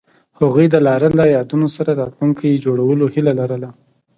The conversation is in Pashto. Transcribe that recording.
هغوی د لاره له یادونو سره راتلونکی جوړولو هیله لرله.